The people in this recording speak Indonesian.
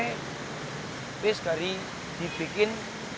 tapi sekali dibikin